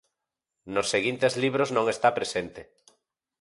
Nos seguinte libros non está presente.